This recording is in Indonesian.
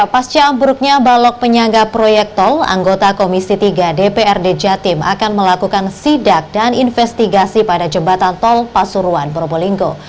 pasca ambruknya balok penyangga proyek tol anggota komisi tiga dprd jatim akan melakukan sidak dan investigasi pada jembatan tol pasuruan probolinggo